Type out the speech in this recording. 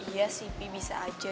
iya sih pi bisa aja